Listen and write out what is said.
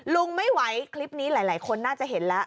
ลุงไม่ไหวคลิปนี้หลายคนน่าจะเห็นแล้ว